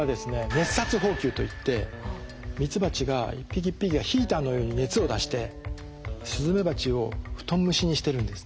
熱殺蜂球といってミツバチが一匹一匹がヒーターのように熱を出してスズメバチを布団蒸しにしてるんですね。